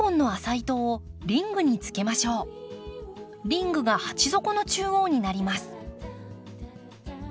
リングが鉢底の中央になります。